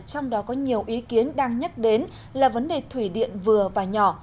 trong đó có nhiều ý kiến đang nhắc đến là vấn đề thủy điện vừa và nhỏ